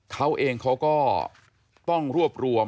เขาเองเขาก็ต้องรวบรวม